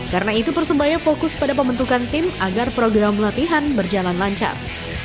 karena itu persebaya fokus pada pembentukan tim agar program latihan berjalan lancar